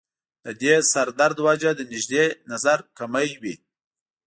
د دې سر درد وجه د نزدې نظر کمی وي